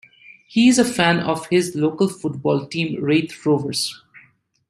He is a fan of his local football team Raith Rovers.